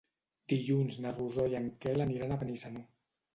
Dilluns na Rosó i en Quel aniran a Benissanó.